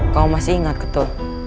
kau masih ingat gitu